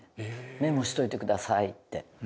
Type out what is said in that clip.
「メモしといてください」って。